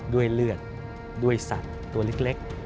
ด้วยเลือดสัตว์ตัวลิก